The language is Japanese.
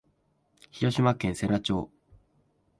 広島県世羅町